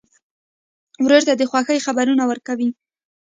ورور ته د خوښۍ خبرونه ورکوې.